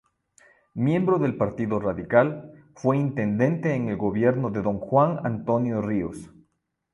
Miembro del Partido Radical, Fue intendente en el gobierno de don Juan Antonio Rios.